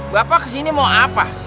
bapak kesini mau apa